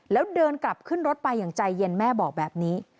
แล้วเดินกลับขึ้นรถไปอย่างใจเย็นแม่บอกแบบนี้